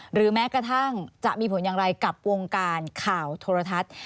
หรือแม้กระทั่งจะมีผลอย่างไรกับวงการข่าวโทรทัศน์